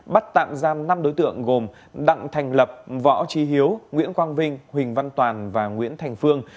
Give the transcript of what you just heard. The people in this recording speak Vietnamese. bắt tạm giam năm đối tượng gồm đặng thành lập võ trí hiếu nguyễn quang vinh huỳnh văn toàn và nguyễn thành phương